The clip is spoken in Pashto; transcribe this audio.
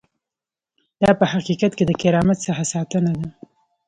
دا په حقیقت کې د کرامت څخه ساتنه ده.